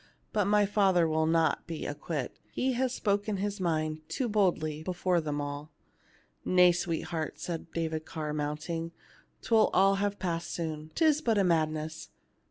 But my father will not be acquit ; he has spoken his mind too boldly before them all." "Nay, sweetheart," said David Carr, mount ing, " 'twill all have passed soon ; 'tis but a mad ness.